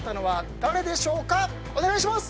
お願いします！